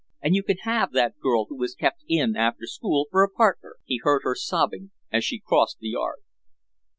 "And you can have that girl who was kept in after school for a partner," he heard her sobbing as she crossed the yard.